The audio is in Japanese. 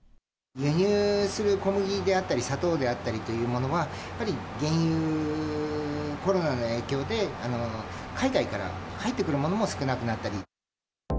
輸入する小麦であったり、砂糖であったりというものが、やっぱり原油、コロナの影響で、海外から入ってくるものも少なくなったり。